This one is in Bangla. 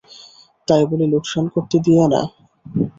তাই বলে লোকসান করতে দিয়ে না।